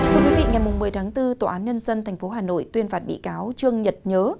thưa quý vị ngày một mươi tháng bốn tòa án nhân dân tp hà nội tuyên phạt bị cáo trương nhật nhớ